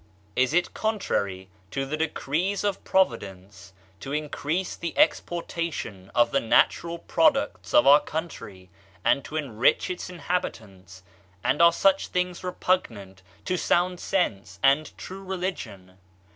Is it contrary to the decrees of Providence, to increase the exportation of the natural products of our country, and to enrich its inhabitants, and are such things repugnant to sound sense and true religion?